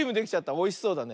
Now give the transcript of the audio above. おいしそうだね。